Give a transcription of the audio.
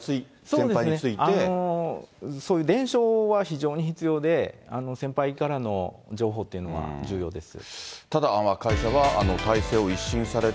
そうですね、そういう伝承は非常に必要で、先輩からの情報っていうのは重要です。